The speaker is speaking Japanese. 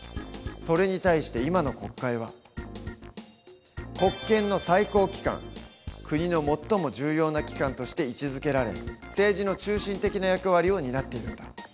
それに対して今の国会は国の最も重要な機関として位置づけられ政治の中心的な役割を担っているんだ。